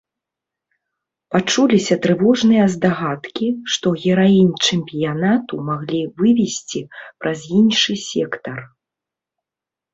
Пачуліся трывожныя здагадкі, што гераінь чэмпіянату маглі вывезці праз іншы сектар.